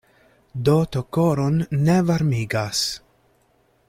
Doto koron ne varmigas.